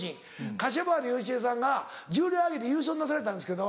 柏原芳恵さんが重量挙げで優勝なされたんですけど。